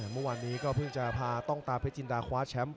เมื่อวานนี้ก็เพิ่งจะพาต้องตาเพชรจินดาคว้าแชมป์